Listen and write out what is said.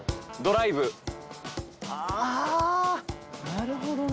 なるほどね。